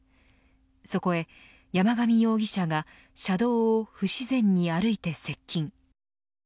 そこへ山上容疑者が車道を不自然に歩いて接近。